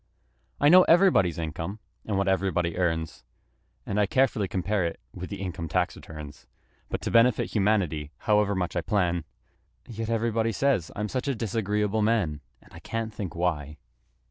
I know everybody's income and what everybody earns, And I carefully compare it with the income tax returns; But to benefit humanity, however much I plan, Yet everybody says I'm such a disagreeable man! And I can't think why!